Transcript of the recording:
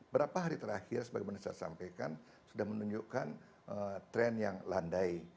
berapa hari terakhir sebagaimana saya sampaikan sudah menunjukkan tren yang landai